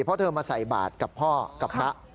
เพราะเธอมาใส่บาทกับพ่อกับพระ